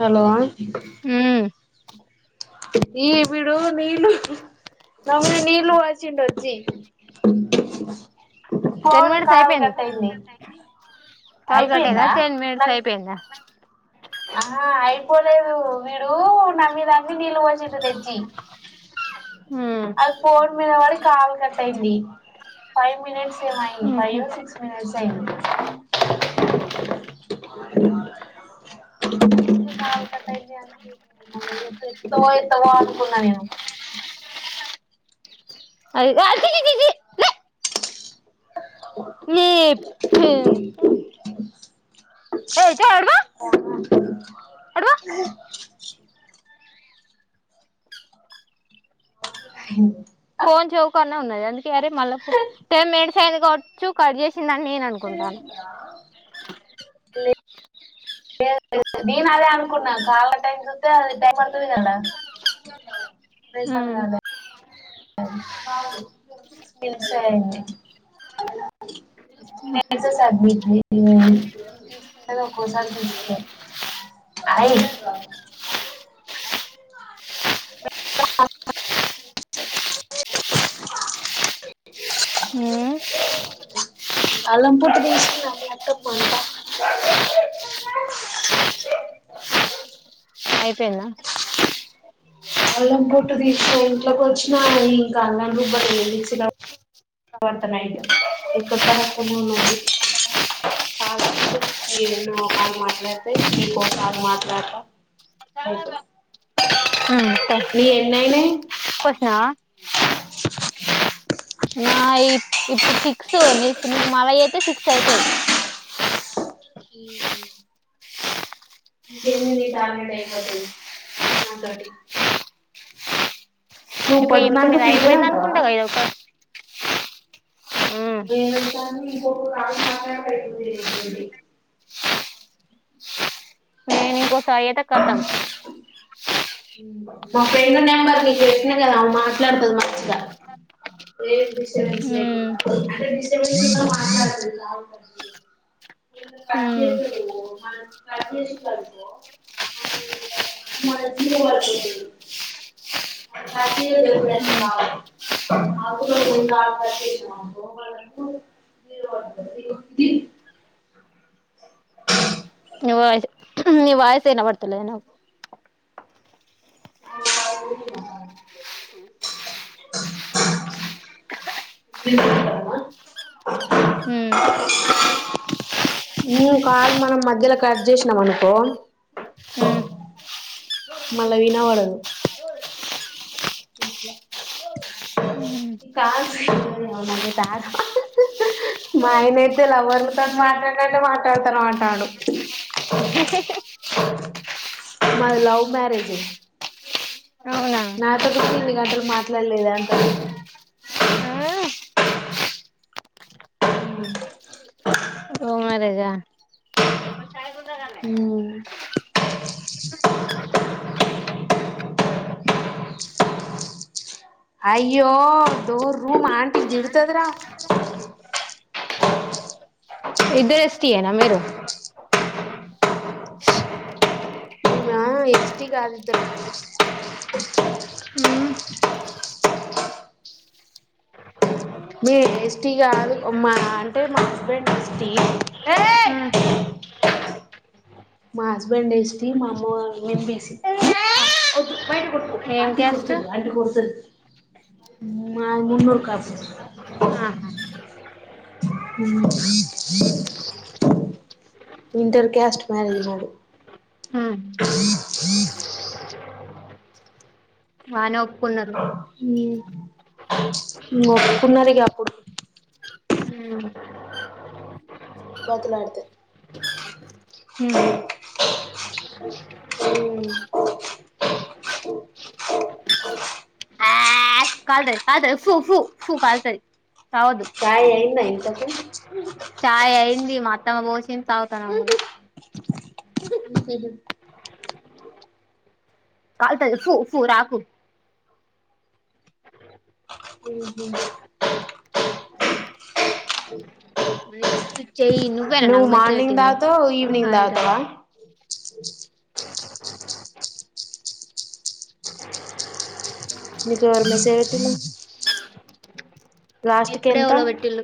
Hello హ్మ్ ఈ విడు నీలు నమ నీలు వచ్చింట వచ్చి టెన్ ఫోన్ మినిట్స్ కాల్ ఐపాయ్ కట్ అయింది కాల్గట్టందా అయిపోయిందా టెన్ మినిట్స్ నాకు అయిపోయిందా ఆహా అయిపోలేదు వీడు నమ్మి నమ్మి నీళ్ళు పోసింది తెచ్చి హ్మ్ అల్ఫోట్ మీద వాడి కాల్ కట్ అయింది ఫైవ్ మినిట్స్ ఏమ ఊహూ ఫైవ్ సిక్స్ మనిట్స్ సైన్ కాలు కట్ట అయిందినికి మ ఎత్తవో ఎత్తవో అనుకున్నా నేను అ [inaudible] అటు పో స అ ఫోన్ చౌ కన్నా ఉన్నాది అరే మ టెన్ మి చ్చూ కజ చిందని నేను అనుకుంటాను లే నేను అదే అనుకున్నా కాళ్ళ టైం చూస్తే అది టై పడుతుంది కదా హ్మ్ [unintelligible] సి మినిట్డిసుకు ఒక్కోసారి తీసుకో అయి హ్మ్ అలంపుూట దసి అత్తమ అంతా అయిపోయింద అల్లం పొట్టు తీసినా ఇంట్లోకి వచ్చినా ఇంకా అల్లాం రుబ్బలేద మిక్సిలో పడతన, ఎక్కడ పడకునే ఉన్నది కాన్నో ఒక కాళ మాట్లాడితే నీకు ఒక కాళ మాట్లాడతా అయితే హ్మ్ పో నీ ఎన్నయిన పోసినావా నా ఇప్పుడు ఫిక్స్డిప్పుడు మళవి అయితే ఫిక్స్ అవుతుాంది [inaudible] నువ్వు ఇప్పు ఇప్పుడు పొద్దునాక నేన్ ఫ్రీగానే అయిపోయింద ఉంటావా అనుకుంటా క ఇదక [inaudible] అడి నేను ఇంకో సాయత కతాం ఉమ్ మా ఫ్రెండ్ నెంబర్ నీకు పెట్టినా కదా మాట్లాడుతుది మంచిగా ఏ సెన్స్ హ్మ్ లేకుండా అదే డిస్టర్బ్ చేస్తే కొందరు పని హ్మ్ చేస్తారు మనం కట్ చేసడు మన మన జీడిపోతుంది కట్ ఎప్పుడై కా ఆకుట్సంది [unintelligible] నివ వయ నివ వయసు ఏన పడుతులేద నావకు మి వాయిస్ వినిపియలేదు నాకు వినిపిస్థుంధా ఉమ్ బ్రో కాలు మనం మధ్యలో కట్ చేసినాం అనుకో ఉమ్ మళ్ళా వినబడదు అట్లా కాల్సి అమనగే తగా మా ఆయన అయితే లవ్వర్లతో మాట్లాడినట్టే మాట్లాడుతారు మాంటడు మాది లవ్ మ్యారేజ్ అవునా నాతో ఎన్ని గంటలు మాట్లాడలేద అంటా లవ్ మ్యారేజా ఉమ్ అయ్యో దోర రూమ్ ఆంటకి దిడతదరా ఇద్దరు ఎస్టీ నా మీ మీరు ఆ ఎస్టి కాదు ఇద్దరు ఉమ్ మీ ఎస్టీ కాదు మా అంటే మా హస్బెండ్ ఎస్టీ ఏ మా హస్బెండ్ వేస్టి మా అమ్మ మం బేసిద్దు బయట కొట్కు ఏం ఆంటీ క్యాస్ట్ కుర్చంది ఆంటీ కుర్తుంది ఉమ్ మధి మునుర్కాపు ఆహా ఇంటర్ కస్ మరేజ్ మాది ఉమ్ ఈ జ బాను ఉమ్ ఉమ్ మారి పున్నాదిగాప్పుడు ఉమ్ పతుల అతే ఉహు కాల్ తయి కా తయి ఫూ ఫూ ఫూ కాల్ తయి కాయ ఏయిన్నా కే చాయ్ అయింది మ అత్తమ్మ పోసింది తాగుతాన [unintelligible] కాల్ [unintelligible] రాకు ఉహు లిఫ్ట్ చెయ్యి నువ్వేనా నువ్ నాకు మెసేజ్ మార్నింగ్ పెట్టింది తగుతవా ఈవనింగ్ హాయ్ రా తగుతవా ఓ నికు ఎవరు మెస్సాజ పెటిన్రు ఎప్పుడ ఎల వెట్లు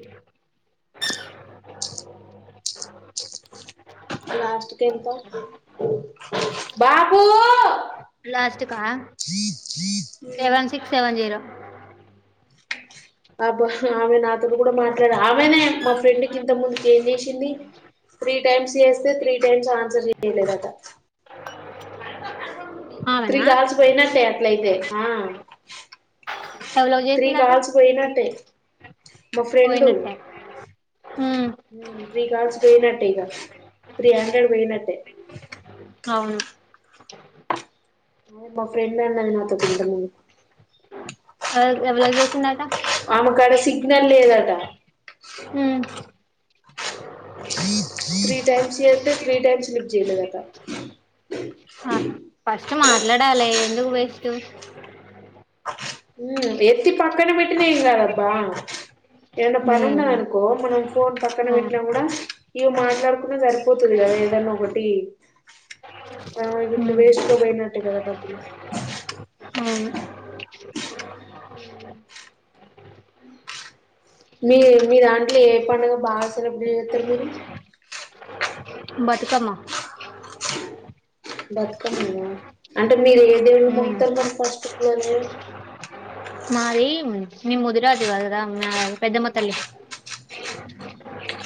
లాస్ట్కంత [unintelligible] బాబూ లాస్ట్కా సెవెన్ సిక్స్ సెవెన్ జీరో ఆబా ఆమె నాతోడు కూడా మాట్లాడ ఆమెనే మా ఫ్రెండ్కి ఇంత ముందుకి ఏం చేసింది త్రీ టైమ్స్ చేస్తే త్రీ టైమ్స్ ఆన్సర్ చేయలేదట త్రీ ఆమెనా కాల్సిపోయినట్టే అట్లయితే ఆ ఎవలోకి త్రీ చేసిందట కాల్స్ పోయినట్టే మా ఫ్రెండ్ పోయినట్టే ఉమ్ త్రీ కాల్స్ పోయినట్ట ఇగ త్రీ హండ్రెడ్ పోయినట్టే అవును మా ఫ్రెండ్ అన్నాడు మాతో [unintelligible] అ అలాగే ఆమెకాడ సిగ్నల్ లేదాట హు త్రీ టైమ్స్ చేస్థే త్రీ టైమ్స్ లిఫ్ట్ చేయలేదట ఆ ఫస్ట్ మాట్లాడాలి ఎందుకు వేస్టు ఉ ఎత్తి పక్కనా పెట్టినా ఏం కదూ అబ్బా ఏడ పని ఉమ్ ఉన్నదనుకో అనుకో మనం ఫోన్ పక్కన ఆ పెట్టినా కూడా ఇవి మాట్లాడుకున్నా సరిపోతుంది కదా ఏదన్నా ఒకటి అ ఇప్పుడు ఉమ్ వేస్కో పోయిన కదా డబ్బులు అవును హు మీ మీ దాంట్లో ఏ పండగ బాగా సెలబ్రేట్ చేస్తారు మీరు బతుకమ్మ బతుకమ్మేనా అంటే మీరు ఏ దేవుణ్ణి ఉమ్ మొక్కుతరు ఫస్టు ఇంగ మేము మాది మేం ముదిరాజు కదరా పెద్దమ్మ తల్లి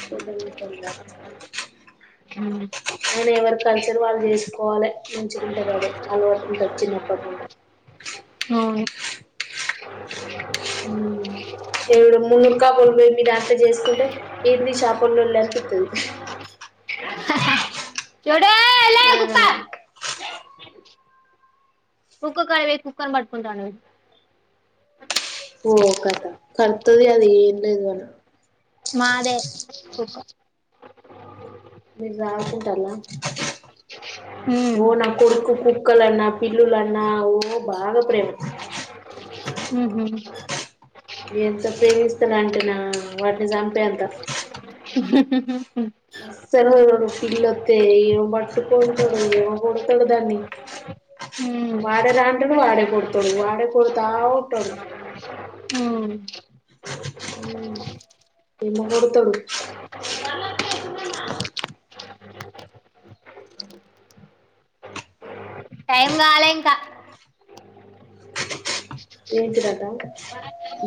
పెద్దమ్మ తల్లి ఆ ఉమ్ అయిన ఎవరి కంచాలు వాళ్ళు చేసుకోవాలె మంచిుకుంటది అదే అలవాటు ఉంటంది చిన్నప్పటి నుండి అవును ఏవిడు మున్నూరు కాపులు పోయి మీరు అంత చేసుకుంటే ఏంది చేపల్లో లేకుతుంది చూడే లే ఆ కుక్క ఉప్పు కారం వేసి కుక్కని పట్టుకుంట అన్నది ఓ కథ కర్తది అది ఏం లేదు మన్నా మాదే కుక్క మీరు రాల్ తింటాం లా ఓ ఉమ్ నా కొడుకు కు కుక్కలన్నా, పిల్లులన్నా ఓ బాగా ప్రేమ ఉహు ఎంత ప్రేమిస్తనంటేనా వాటిని చంపే అంత ఉహు అస్సలు వదలడు పిల్లొస్తే ఏమో పట్టుకుంటడు ఏమో కొడతాడు దాన్ని వాడే రా అంటాడు వాడే కొడతాడు వాడే కొడతా ఉంటాడు. హు హు ఏమో కొడుతాడు టైం కాలే ఇంకా ఏంటీదట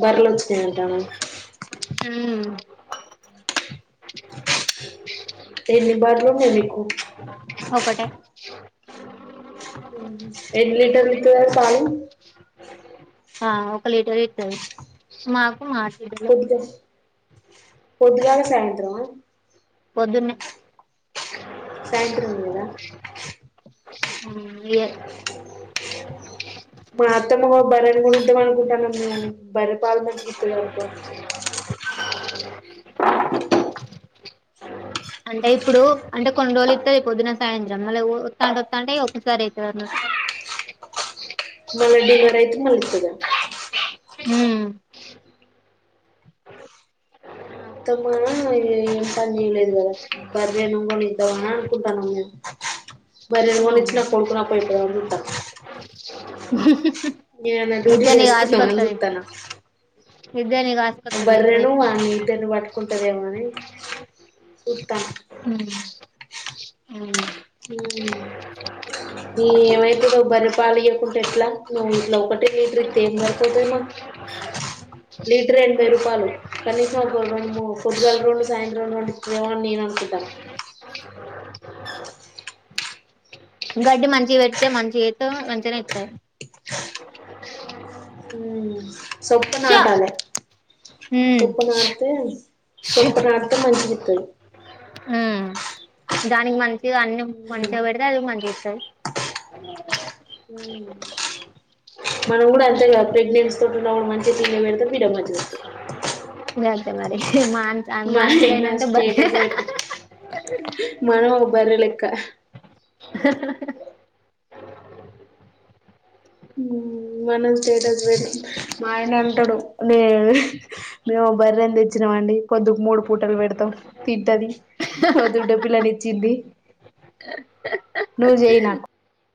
బార్లు వచ్చినాయట ఆమే ఎన్ని బర్లు ఉన్నయ్ మీకు ఒకటే ఎన్ని లీటర్లు ఇత్తది అది పాలు ఆ ఒక లీటర్ ఇత్తది మాకు మా ఆడబిడ్డలు కొంచెం పొద్దుగాల సాయంత్రం మా పొద్దున్నే సాయంత్రం ఇయ్యదా ఉమ్ ఇయ్యాదు మా అత్తమ్మ ఒక బర్రెను కొనిద్దాం అనుకుంటానం మేము బర్రె పాలు మంచిగ ఇస్తది అనుకోని అంటే ఇప్పుడూ అంటే కొన్ని రోజులు ఇస్తది పొద్దున సాయంత్రం మళ్ళ వస్తంటే వస్తంటే ఇగ ఒకసారి ఇస్తది అన్నట్టు మళ్ళ డెలివరీ అయితే మళ్ళ ఇస్తది ఉమ్ మా అత్తమ్మ ఏం పని చేయలేదు కదా బర్రెను కొనిద్దాం అని అనుకుంటానం మేం బర్రెను కొనిచ్చిన కొడుకుని అప్పచెప్పుదాం అనుకు నేనన్న డ్యూటీ ఇద్దరిని చేసుకుందాం అని కాసుకొత్తది చూస్తాన్న ఇద్దరిని కాసుకొత్తది బర్రెను ఎంతసేపు అని పెన్ను పట్ కుంటదేమో అని ఉమ్ ఉమ్ ఉమ్ ఏమైతుందో బర్రె పాలు ఇవ్వకుంటే ఎట్లా నువ్వు ఇట్లా ఒకటే లీటర్ ఇత్తే ఏమ లేకపోతాయ లీటర్ ఎనభై రూపాయలు కనీసం ఒక రెండు మూ పొద్దుగల్లా రెండు సాయంత్రం రెండు ఇయ్యామంటే నేను అనుకుంటాను గడ్డి మంచిగ పెడితే మంచి ఇత్త మంచిగానే ఇస్తాయి ఉమ్ సొప్ప నాటాలే సొప్ప నాటితే సొప్ప నాటితే మంచి దానికి మంచి అన్ని మంచిగా పెడితే అది మంచిగా ఇత్తది మ్మ్ మనం కూడా అంతేగా ప్రెగ్నెన్సీ తోటి ఉన్న కూడా మంచిగా తిడి పెడితే బిడ్డ మంచిగొస్తది వెళ్తే మరి మాన్స్ మా ఆయన అన్మాన్సులునంత స్టేటస్ పెట్టి మనం ఓ బర్రెలెక్క మనం స్టేటస్ పెట్టి మా ఆయన అంటాడు నే మేము బర్రని తెచ్చినామండి పొద్దుగా మూడు పూటలు పెడతాం తింటది దుడ్డ పిల్లని ఇచ్చింది నువ్వు చెయి నాకు